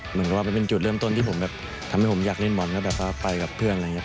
เหมือนกับว่ามันเป็นจุดเริ่มต้นที่ผมแบบทำให้ผมอยากเล่นบอลแล้วแบบว่าไปกับเพื่อนอะไรอย่างนี้